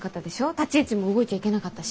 立ち位置も動いちゃいけなかったし。